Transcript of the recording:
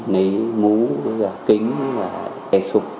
lấy mú với cả kính và kẻ sục